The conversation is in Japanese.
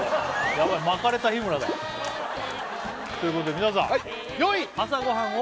ヤバい巻かれた日村だということで皆さんよい朝ごはんをサヨナラ！